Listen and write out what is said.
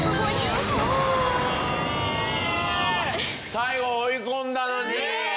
最後追い込んだのに？